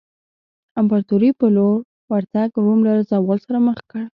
امپراتورۍ په لور ورتګ روم له زوال سره مخ کړ.